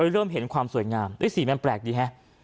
เริ่มเห็นความสวยงามสีมันแปลกดีฮะ